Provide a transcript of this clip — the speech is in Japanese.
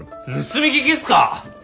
盗み聞きっすか！？